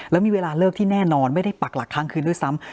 แล้วมีเวลาเลิกที่แน่นอนไม่ได้ปักหลักครั้งคืนด้วยซ้ำ